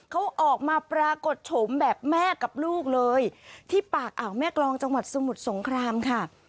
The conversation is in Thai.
เขาออกมาปรากฏโฉมแบบแม่กับลูกเลยที่ปากอ่าวแม่กรองจังหวัดสมุทรสงครามค่ะ